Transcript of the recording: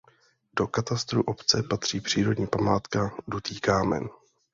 Do katastru obce patří přírodní památka Dutý kámen.